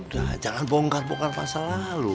nah jangan bongkar bongkar masa lalu